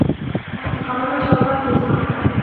دخبرو چوکاټ دی سم که